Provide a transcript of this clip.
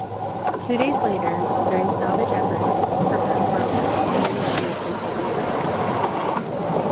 Two days later, during salvage efforts, her back broke, and she was completely wrecked.